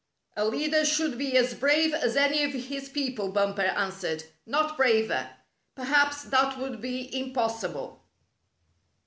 " "A leader should be as brave as any of his people," Bumper answered, "not braver. Per haps that would be impossible."